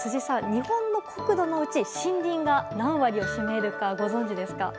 日本の国土のうち森林が何割を占めるかご存じですか？